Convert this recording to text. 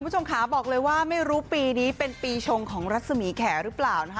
คุณผู้ชมค่ะบอกเลยว่าไม่รู้ปีนี้เป็นปีชงของรัศมีแขหรือเปล่านะคะ